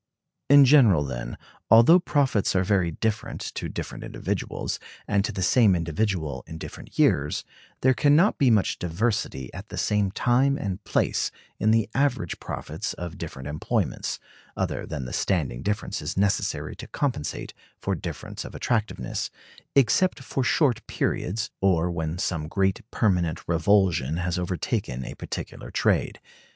In general, then, although profits are very different to different individuals, and to the same individual in different years, there can not be much diversity at the same time and place in the average profits of different employments (other than the standing differences necessary to compensate for difference of attractiveness), except for short periods, or when some great permanent revulsion has overtaken a particular trade.